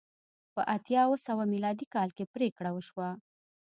په اتیا اوه سوه میلادي کال کې پرېکړه وشوه